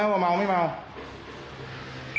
แล้วถามว่าคุณไทยเคยทำไหม